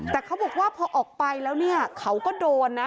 แต่เขาบอกว่าพอออกไปแล้วเนี่ยเขาก็โดนนะ